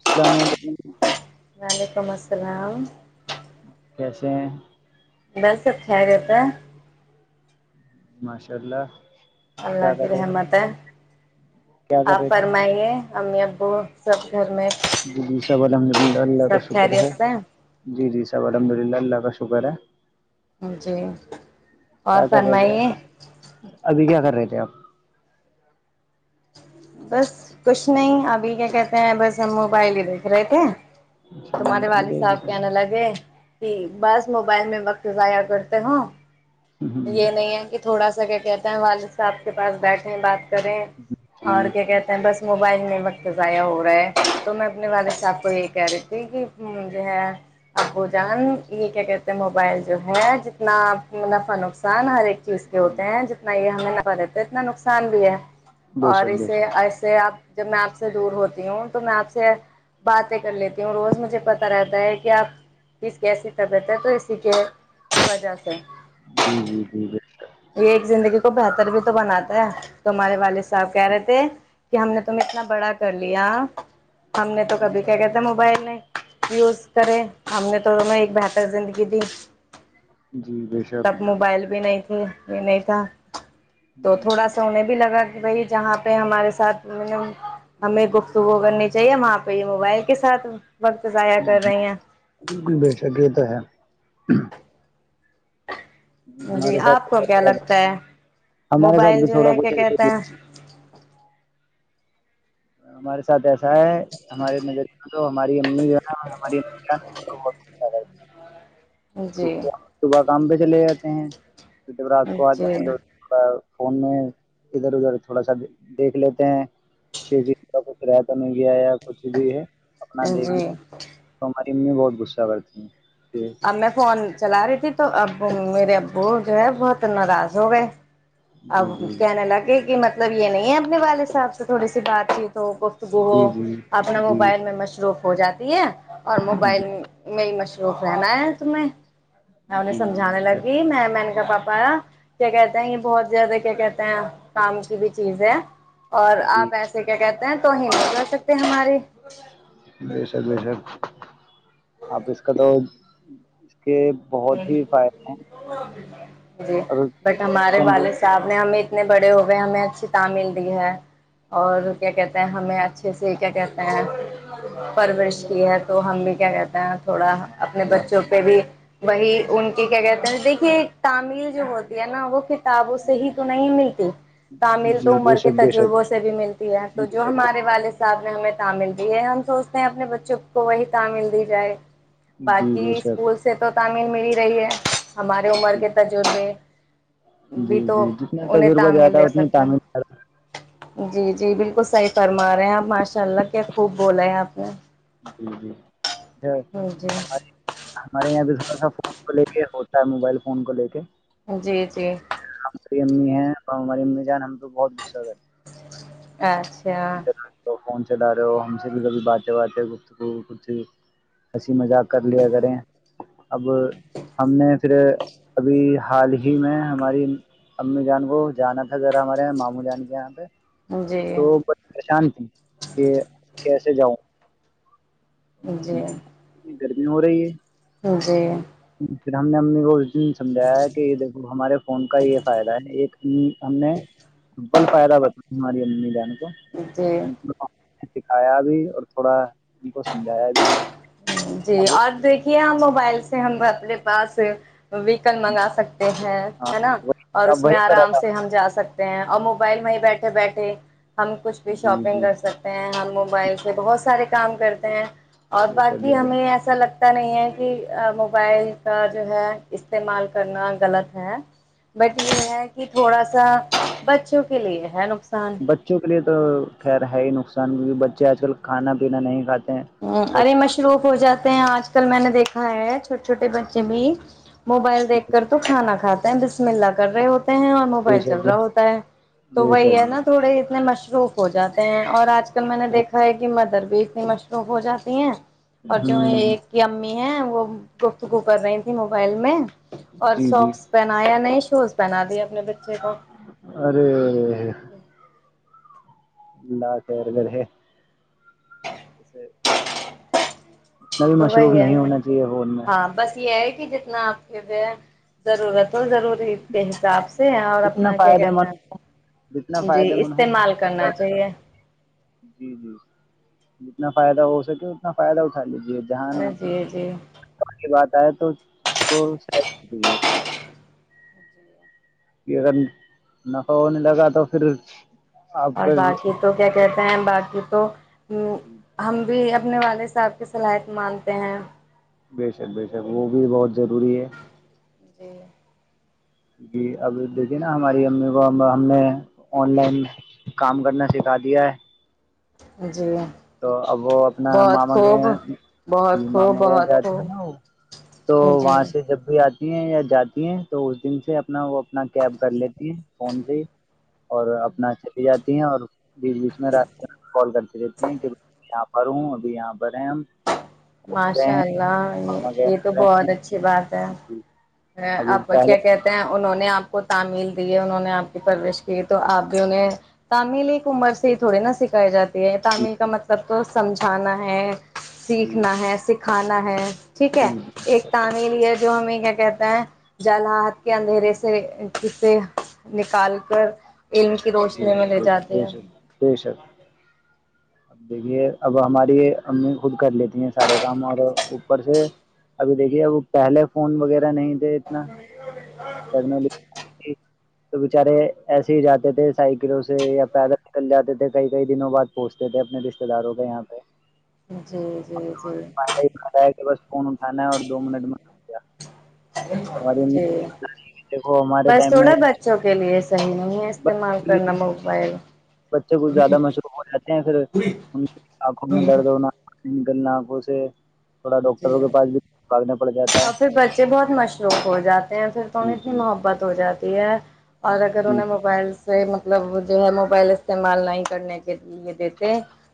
السلام علیکم ہاں وعلیکم السلام کیسے ہیں بس سب خیریت ہے ماشاء اللہ اور اللہ کیا کر کی رہے تھے رحمت ہے کیا کر آپ رہے تھے فرمائیے امی ابو سب گھر میں جی جی سب الحمد اللہ اللہ کا سب شکر خیریت ہے سے ہیں؟ جی جی اچا الحمد للہ اللہ کا شکر ہے جی اور کیا فرمائیے پ د بس کچھ نہیں ابھی کیا کہتے ہیں بس ہم موبائل ہی دیکھ رہے تھے اچھا تمہارے موبائل والد دیکھ صاحب رہے تھے کہنے لگے کہ بس موبائل میں وقت ضائع کرتے ہو ہوں، یہ نہیں ہے کہ تھوڑا سا جا کہتے ہیں والد صاحب کے پاس بیٹھے ہیں بات کریں اور جی کیا کہتے ہیں بس موبائل میں وقت ضائع ہو رہا ہے تو میں اپنے والد صاحب کو یہ کہہ رہی تھی کہ م ہے ابو جان یہ کیا کہتے ہیں موبائل جو ہے جتنا نقصان ہر ایک چیز کے ہوتے جی ہیں جتنا یہ ہمیں پر اتنا نقصان بے اور شک بے اسے شک ایسے آپ جب میں آپ سے دور ہوتی ہوں تو میں آپ سے باتیں کر لیتی ہوں روز مجھے پتا رہتا ہے کہ آپ کس کیسی طبیعت ہے تو اسی کے وجہ سے جی جی جی بال یہ ایک زندگی کو بہتر بھی تو بناتا ہے تومارے والد صاحب کہہ رہے تھے کہ ہم نے تم اتنا بڑا کر لیا ہم نے تو کبھی کیا کہتے موبل یوز کرے ہم نے تو ان ایک بہتر زندگی دی جی بے شک تب موبائل بھی نہیں ہ [inaudible] یہ نہیں تھا تو تھوڑا جی سا انہیں بھی لگا وہی جہاں پہ ہمارے ساتھ م ہمیں گفتگو کرنی چاہیے وہاں پہ ہی موبائل کے ساتھ وقت ضائع کر رہے ہیں بالکل بے شک یہ تو [unintelligible] جی ہمارے آپ ساتھ کو کیا لگتا ہے ہمارے ساتھ موبائل بھی جو تھوڑا ہے کیا کچھ ایسے کہتے ہی ہیں ہمارے ساتھ ایسا ہے ہمارے نظریے تو ہماری امی [unintelligible] ہے، جی کیونکہ [inaudible] ہم صبح کام پہ چلے جاتے ہیں جب آات کو آتے ہیں تو جی کا فون میں ادھر ادھر تھوڑا سا دیکھ لیتے ہیں کہ کا کچھ رہتا نہیں گیا ہے یا کچھ بھی ہے اپنا دیکھ لی جی ہماری میں بہت غصہ کرتی ہیں کہ ا میں فون چلا رہی تھی تو اب میرے ابو جو ہے بہت ناراض ہو گئے ا جی جی کہنے لگ گے کہ مط مطلب یہ نہیں ہے اپنے والد صاحب سے تھوڑی سی بات چیت گفتگو جی ہو جی اپنا جی موبائل میں مشروف ہو جاتی ہے اور موبائل جی میں مش جو ز ن ت میں میں انہیں سجھانے جی لگی میں میں نے کا پاپا پا کیا کہتے ہیں یہ بہت زیادہ کیا کہتے ہیں کام کی بھی چیز ہے اور جی آپ ایسے کیا کہتے تو ہی نہیں رہ سکتے ہماری بےشر بشر آپ اس کا تو کے بہت ہی فائدے ہیں جی اور بٹ ہمارے چند والد صاحب نے ہمیں اتنے بڑے ہو گئے ہمیں اچھی ت مل رہ ہے اور جی کیا کہتے ہیں ہمیں [unintelligible] اچھے سے کیا کہتے ہیں پرورش کی ہے تو ہم بھی کیا کہتے ہیں [unintelligible] تھوڑا جی ماشاء اپنے اللہ بچوں پہ بھی [unintelligible] وہی ان کی کیا کہتے ہیں دیکھیے تمل جو ہوتی ہے نا وہ ک [unintelligible] کتابوں سے ہی تو نہیں ملتی تعمل تو جی بے عمر کے شک بے شک تجربوں سے بھی ملتی ہے تو بے جو شک ہمارے والد صاحب نے ہمیں [unintelligible] ملتی ہے ہم سوچتے ہیں اپنے بچوں کو وہی تع مل دی جائے [unintelligible] جی باقی بے شک اسکول سے [unintelligible] تعمل مل رہی ہے [unintelligible] ہمارے عمر جی کے تجربے جی بھی تو جی جتنا انہیں تجربہ تعمل زیادہ رہے اتنی سکتے تعمیر زیادہ ہیں [unintelligible] جی جی بالکل صحیح فرما رہے ہیں آپ ماشاء اللہ کیا خوب بولا ہے آپ نے جی جی [unintelligible] ہاں جی ہمارے ہمارے یہاں بھی تھوڑا سا فون کو لے کے ہوتا ہے موبائل فون کو لے کے جی جی [unintelligible] ہماری امی ہیں اور ہماری امی جان ہم تو بہت غصہ کرتے ہیں اچھا [unintelligible] فن چلا رہے ہو ہم سے بھی کبھی باتیں بات گت کو کچھ ہسی مذاق کر لیا کریں اب ہم نے پھر ابھی حال ہی میں ہماری امی جان کو جانا تھا ذرا ہمارے یہاں ماموں جان کے یہاں پہ جی تو بڑی پریشان تھی کہ کیسے جاؤں جی گرمی ہو رہی ہے اکے س ہم نے ہممیول سمجھایا کہ دیکھو ہمارے فون کا یہ فائدہ ہے ایک ہم نے سمپل فائدہ بتا ماری امی ل ہیں جی م [unintelligible] سکھایا بھی اور تھوڑا ان کو سمجھایا بھی جی اب اور دیکھیے موبائل ہم اپنے پاس ویکل منگا سکتے ہیں ہاں ہے نا وہی اور اس اب میں وہی کرا آرام تھا سے ہم جا سکتے ہیں اور موبائل میں ہی بیٹھے بیٹھے ہم کچھ بھی جی شاپنگ جی کر سکتے ہیں ہم موبائل سے بہت سارے کام کرتے ہیں اور بے شک بات کہ بے شک ہمیں ایسا لگتا پتا نہیں ہے کہ موبائل کا جو ہے استعمال کرنا غلط ہے بٹ نہیں یہ نہیں ہے کہ تھوڑا سا ا بچوں کے لیے ہے ن بچوں کے لیے تو خیر ہے ہی نقصان کیہ بچے آج کل کھا پینا نہیں کاتے ہ ارے مشروف ہو جاتا ہیں آج کل میں نے دیکھا ہے چھوٹے چھوٹے بچے بھی موبائل دیکھ کر تو کھانا کھاتے ت بسمیلہ کر رہے ہو ہیں اور بے موبائل شک چل رہا ہوتا ہے تو بے وہی شک ہے نا تھوڑے اتنے مشور مصروف ہو جاتے ہیں اور اج کل میں نے دیکھا ہے مدر بھی مشروط تو ہو جاتی ہیں اور ہ جو ہے ایک کہ ہے وہ گفتگو کر رہی تھی موبائل میں اور جی جی سوکس پہنایا ن ٹوس پہنا دی ہے ارے اللہ خیر گ ہے جسے [unintelligible] [unintelligible] اتنا بھی تو مصروف وہی ہے نہیں نا ہونا چاہیے فون میں ہاں بس یہ ہے جتنا آپ کے پ ضرورت ضروری کے حساب سے اور جتنا اپنا کیا فائدے کہتے مند جتنا ہیں جی فائدے مند ہو استعمال کرنا چاہیے جی جی جتنا فائدہ ہو سکے اتنا فائدہ اٹھا لیجیے ج جہان جی جی بات چے تو اس کو دیجے کہ اگر نفہ ہونے لگا تو پھر آپ اور کا باقی تو کیا کہتے ہیں باقی تو ہم بھی اب رنے والے صاحب کی صلاحیت مانتے ہیں بےشک بےشک وہ بھی بہت ضروری ہے جی جی اب دیکھیے نا ہماری امی کو ہم نے آن لائن کام کرنا سکھا دیا ہے ج جی تو اب وہ اپنا بہت ماما خوب گیا بہت خوب ماما گ بہت جاتے ہیں نا خوب وہ تو جی وہاں سے جب بھی آ ہیں یا جاتی ہیں تو اس دن سے اپنا وہ اپنا کیب کر لیتی ہیں فون سے ہی اور اپنا چلی جاتی ہیں اور بیچ بیچ میں رات کال کرتے رہ یہ کہ یہاں پر ہوں ابھی یہاں پر ہیں ہم گئے ماشاء ہیں ماما کے اللہ یہ تو یہاں بہت اچھی بات گئے ہے اب آپ پہلے کیا کہتے ہیں انہوں نے آپ کو تعمل دی انہوں نے آپ کی پرورش کی تو آپ بھی انہیں تعمل ایک عمر سے تھوڑی نا سکھائے جاتی تعمل کا مطلب تو سمجھانا ہے سیکھ جی سنا ہے سکھانا ہے ٹھیک ہے جی ایک تعمل یہ جو ہمیں کہتے ہیں جل ہات کے اندھیرے سے کے نکال کر علم کی جی روشنی میں لے بے شک بے جاتے ہیں شک بے شک بے شک دیکھیے اب ہماری امی خود کر لیتی ہیں سارے کام اور اوپر سے ابھی دیکھیے اب پہلے فون وغیرہ نہیں [unintelligible] تو بچارے ایسے جاتے تھے سائیکلوں سے یا پیدل نکل جاتے تھے کئی کئی دنوں بعد پہچتے تھے اپنے رشتے داروں کے یہاں پہ جی جی جی کہ بس فون اٹھانا ہے اور دو منٹ میں ہماری امی جی دیکھو ہمارے بس ٹائم میں تھوڑا بچوں کے لیے صحی ہے استعمال بس کرنا موبائل بچے کچھ زیادہ مصروف ہو جاتے ہیں پھر ن کرنا کوسے جی ہے اور پھر بچے بہت مشروق ہو جاتے ہیں پھر جی اتنی جی محبت ہو جائے [unintelligible] اور اگر جی انہیں جی موبائل سے مطلب وہ جو ہے موبائل استعمال نہیں کرنے کے یہ دیتے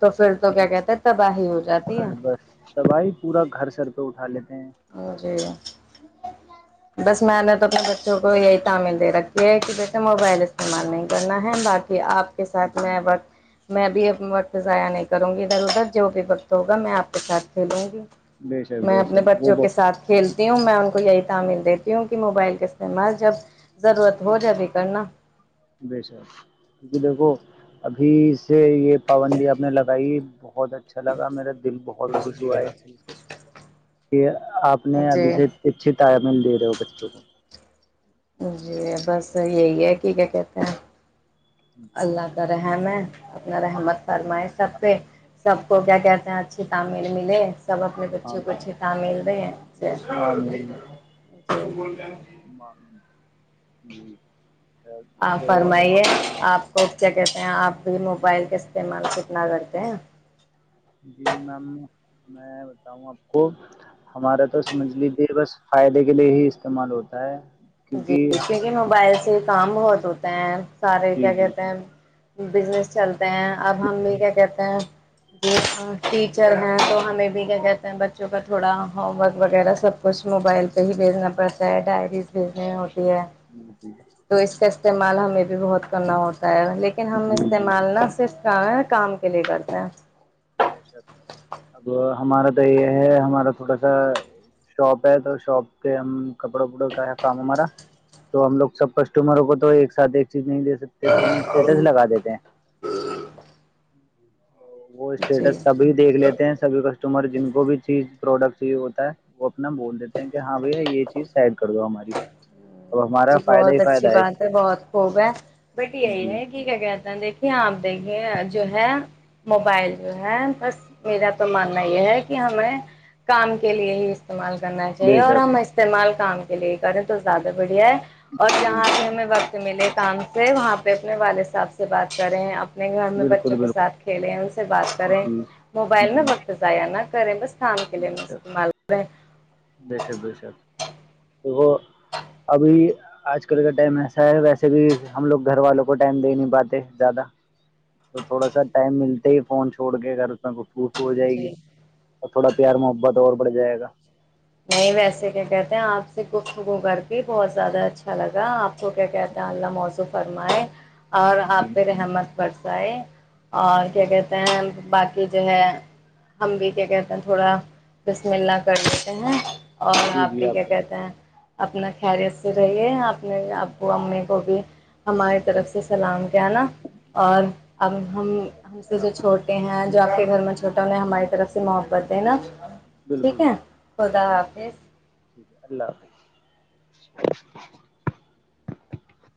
تو پھر تو کیا کہتے تباہی ہو جاتی ہے اور بس تباہی پورا گھر سر تو اٹا لے [unintelligible] اور چاہی بس میں نے تو اپنے بچوں کو یہی تعمل دے رکھی ہے کہ جیسے موبائل استعمال نہیں کرنا ہے با کہ آپ کے جی ساتھ میں جی وقت میں بھی اب وقت ضائع نہیں کروں گی ادھر ادھر جو بھی وقت ہوگا میں آپ کے ساتھ کھلوں گی بے شب میں بے اپنے شب بے بچوں کے ساتھ کھیلتی ہوں میں ان یہی تعمل دیتی ہوں کہ موبائل کا استعمال جب ضرورت ہو جبھی کرنا [unintelligible] ابھی سے یہ پابندی آپ نے لگائی بہت اچھا لگا میرا دل بہت خوش ہوا ہے کہ آپ نے ابھی جی سے اچھے تالمیل دے رہے ہو بچوں کو جی بس یہی ہے کہ کیا کہتے ہیں جی اللہ کررے [inaudible] اپنا رحمت فرمائے سب پہ سب اس کو کیا کہتے ہیں اچھی تعمیر ملے سب اپنے بچوں کو اچھے ت مل رہے ہیں آمین [unintelligible] [unintelligible] آاں تو فرمائیے آپ کو کیا کہتے ہیں آپ بھی موبائل کا استعمال کتنا کرتے ہیں جی میم میں بتاؤں آپ کو ہمارا تو سمجھ لیجیے بس فائدے کے لیے ہی استعمال ہوتا ہے جی کیونکہ موبائل سے کام بہت ہوتا ہیں سارے جی کیا جی کہتے ہیں بزنس چلتا ہیں اب ہم بھی کیا کہتے ہیں جی ٹیچر ہیں تو ہمیں بھی کیا کہتے ہیں بچوں کا تھوڑا ہوم ورک وغیرہ سب کچھ موبائل پہ ہی بھیجنا پڑتا ہے ڈائریز ہوتی ہے تو اس کا استعمال ہمیں بھی بہت کرنا ہو لیکن جی ہم جی جی استعمال نہ صرف کام کے لیے کرتے ہیں بے شک اب ہمارا تو یہ ہے ہمارا تھوڑا سا شاپ ہے تو شاپ پہ ہم کپڑا وپڑا کا ہے کام ہمارا تو ہم لوگ سب کسٹمروں کو تو ایک ساتھ [unintelligible] چیز نہیں دے سکتے تو ہم اسٹیٹس لگا دیتے ہیں وہ جی اسٹیٹس سبھی دیکھ لیتے ہیں سبھی کسٹمر جن [unintelligible] جو بھی چیز پروڈکٹی ہوتا ہے وہ اپنا بول دیتے ہیں کہ ہاں بھ یہ چیز سیڈ کر دو ہماری [unintelligible] جی فائدہ بہت ہی اچھی فائدہ اس بات سے ہے بہت خوب ہے بٹ یہی جی ہے کی کیا گ اد دیک [unintelligible] آپ دیکھیے جو ہے [unintelligible] موبائل جو ہے بس [unintelligible] میرا تو ماننا یہ ہے کہ ہم نے کام کے لیے ہی [unintelligible] استعمال کرنا چاہیے بے اور شک ہم استعمال [unintelligible] کام کے لیے کریں تو زیادہ بڑھیا ہے [unintelligible] اور جی جہاں بھی ہمیں وقت [unintelligible] ملے کام سے وہاں پہ اپنے والد صاحب سے بات کریں آ [unintelligible] اپنے گھر میں بالکل بچوں کے بالکل ساتھ کھیلیں ان سے بات کریں جی موبائل میں جی وقت ضائعانہ [unintelligible] [unintelligible] [unintelligible] بے شک [unintelligible] [unintelligible] دھو ابھی آج کل کا ٹائم ایسا ہے ویسے بھی ہم لوگ گھر والوں کو ٹائم دے نہیں پاتے زیادہ تو تھوڑا سا ٹائم ملتے ہی فون چھوڑ کے ا گھر اس میں ک [unintelligible] پوف ہو جائے گی جی [unintelligible] پیار محبت اور بڑھ جائے گا [unintelligible] نہیں ویسے کیا کہتے ہیں آپ سے ککتگو کر کے بہت زیادہ اچھا لگا آپ کو کیا کہتے ہیں اللہ موضوع فرمائے [unintelligible] اور آپ آمین پھر رحمت پر [unintelligible] بائے [unintelligible] اور آمین کیا کہتے ہیں [unintelligible] باقی جو ہے ہم بھی کیا کہتے ہیں تھوڑا بسم اللہ کر [unintelligible] [inaudible] [unintelligible] اور جی آپ جی بھی کیا کو کہتے ہیں [unintelligible] اپنا خیریت سے رہیے آپ [unintelligible] آب کو امی کو بھی [unintelligible] ہماری طرف سے سلام [unintelligible] نا اور اب ہم وعلیکم ہم سے جو السلام چھوٹے ہیں جو آپ کے [unintelligible] گھر میں چھوٹا انہیں ہماری طرف سے محبت د نا [unintelligible] ٹھیک بالکل ہے خدا بالکل [unintelligible] جی جی حافظ ٹھیک ہے اللہ حافظ [unintelligible] [inaudible] [unintelligible]